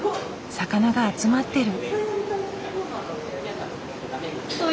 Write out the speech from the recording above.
魚が集まってる。